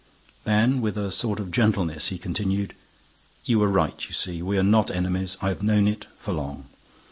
Then, with a sort of gentleness, he continued, "You were right, you see: we are not enemies. I have known it for long.